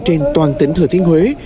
trên toàn tỉnh thừa thiên huế